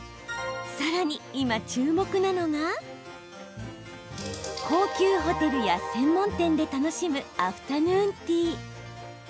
さらに今、注目なのが高級ホテルや専門店で楽しむアフタヌーンティー。